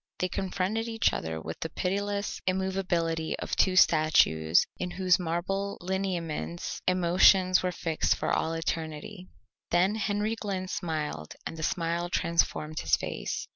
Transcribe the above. They confronted each other with the pitiless immovability of two statues in whose marble lineaments emotions were fixed for all eternity. Then Henry Glynn smiled and the smile transformed his face.